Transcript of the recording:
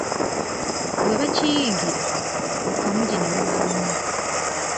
Bwe bakiyingira, bukamuje ne bubalumba.